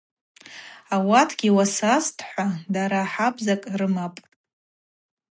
Ауатгьи уасазтӏхӏва дара хабзакӏ рымапӏ.